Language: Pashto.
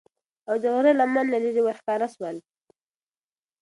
او د غره لمن له لیری ورښکاره سول